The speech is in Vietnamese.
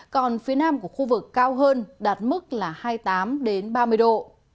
còn phía nam của khu vực cao hơn đạt mức là hai mươi tám ba mươi độ